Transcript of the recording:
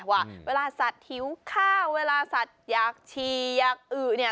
ว่าเวลาสัตว์หิวข้าวเวลาสัตว์อยากฉี่อยากอือเนี่ย